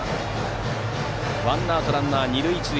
ワンアウトランナー、二塁一塁。